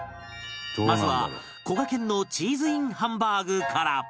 まずはこがけんのチーズインハンバーグから